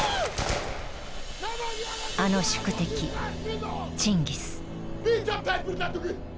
あの宿敵チンギスフォー！